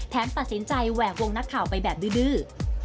ตัดสินใจแหวกวงนักข่าวไปแบบดื้อ